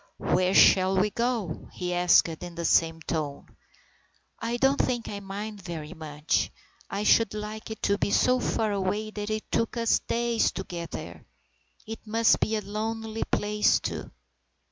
"Where shall we go?" he asked in the same tone. " I don't think I mind very much. I should like it to be so far away that it took us days to get there. It must be a lonely place, too."